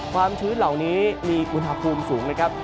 ชื้นเหล่านี้มีอุณหภูมิสูงนะครับ